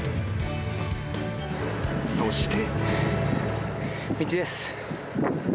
［そして］